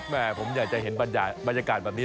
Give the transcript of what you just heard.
แม่ผมอยากจะเห็นบรรยากาศแบบนี้